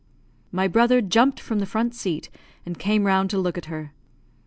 My brother jumped from the front seat, and came round to look at her.